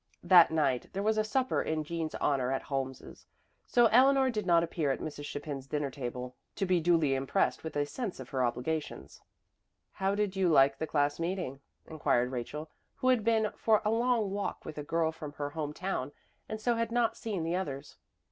That night there was a supper in Jean's honor at Holmes's, so Eleanor did not appear at Mrs. Chapin's dinner table to be duly impressed with a sense of her obligations. "How did you like the class meeting?" inquired Rachel, who had been for a long walk with a girl from her home town, and so had not seen the others.